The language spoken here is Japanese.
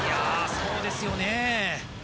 そうですよねえ